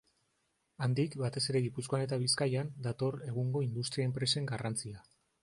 Handik, batez ere Gipuzkoan eta Bizkaian, dator egungo industria-enpresen garrantzia.